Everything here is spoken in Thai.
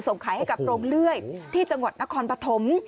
ส่งขายให้กับโรงเลื่อยที่จังหวัดนครปฐม